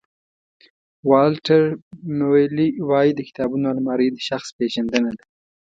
والټر مویلي وایي د کتابونو المارۍ د شخص پېژندنه ده.